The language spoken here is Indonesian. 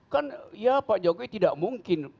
kan ya pak jokowi tidak mungkin